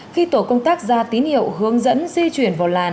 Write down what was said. khi tổ công tác ra tín hiệu hướng dẫn di chuyển vào làn